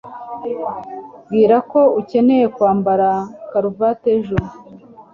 Bwira ko akeneye kwambara karuvati ejo.